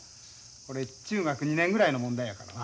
これ中学２年ぐらいの問題やからな。